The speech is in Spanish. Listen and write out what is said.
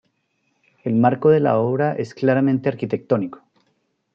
El marco de la obra es claramente arquitectónico.